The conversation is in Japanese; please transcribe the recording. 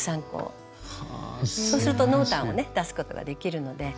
そうすると濃淡をね出すことができるので。